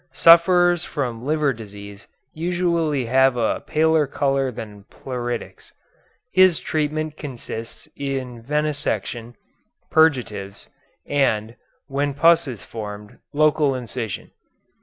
Sufferers from liver disease usually have a paler color than pleuritics. His treatment consists in venesection, purgatives, and, when pus is formed, local incision.